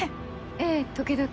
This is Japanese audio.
ええ時々。